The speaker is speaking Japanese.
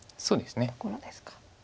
そうですね。